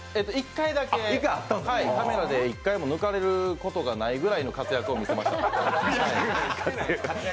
１回だけ、カメラで１回も抜かれることがないぐらいの活躍を見せました。